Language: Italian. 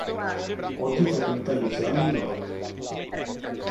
Oggi frequenta il liceo a New York.